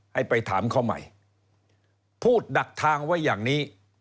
ให้ไปถามเขาใหม่พูดดักทางไว้อย่างนี้